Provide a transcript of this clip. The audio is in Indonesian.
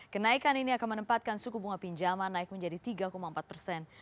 kenaikan ini akan menempatkan suku bunga pinjaman naik menjadi tiga empat persen